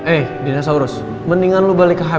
eh dinosaurus mendingan lo balik ke rumah